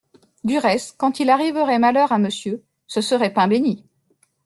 Du reste, quand il arriverait malheur à Monsieur… ce serait pain bénit…